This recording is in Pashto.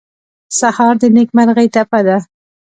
سهار د نیکمرغۍ ټپه ده.